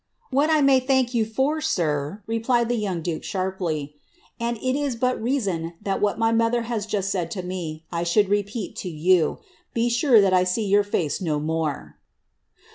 "What I may thank you for, sir," replied the young duke sharply, and it is but reason that what my mother has just said to me, 1 s^hould repeat to you ; be sure that I see your face no more."